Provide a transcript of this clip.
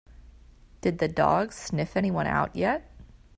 Did the dog sniff anyone out yet?